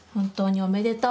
おめでとう。